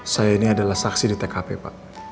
saya ini adalah saksi di tkp pak